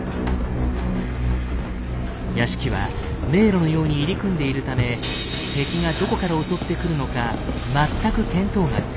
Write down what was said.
屋敷は迷路のように入り組んでいるため敵がどこから襲ってくるのか全く見当がつかない。